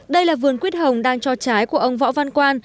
đây là vườn quyết hồng đang cho trái của ông võ văn quan